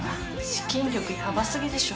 資金力ヤバ過ぎでしょ。